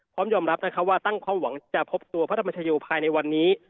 พร้อมยอมรับว่าตั้งความหวังจะพบตัวพระธรรมชโยภายในวันนี้